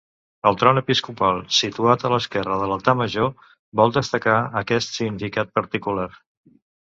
El tron episcopal, situat a l'esquerra de l'altar major, vol destacar aquest significat particular.